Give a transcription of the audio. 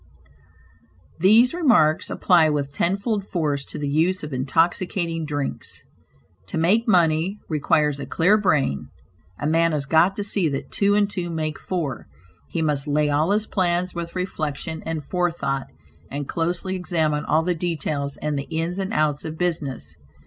These remarks apply with tenfold force to the use of intoxicating drinks. To make money, requires a clear brain. A man has got to see that two and two make four; he must lay all his plans with reflection and forethought, and closely examine all the details and the ins and outs of business.